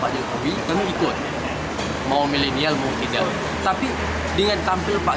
baik itu pakaian milio tingkah laku milio itu sangat milenial